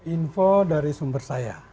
info dari sumber saya